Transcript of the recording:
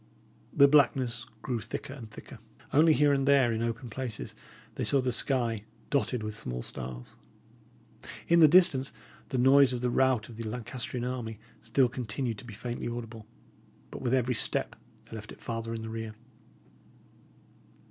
The blackness grew thicker and thicker. Only here and there, in open places, they saw the sky, dotted with small stars. In the distance, the noise of the rout of the Lancastrian army still continued to be faintly audible; but with every step they left it farther in the rear.